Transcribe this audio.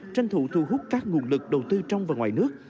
tranh thủ thu hút các nguồn lực đầu tư trong và ngoài nước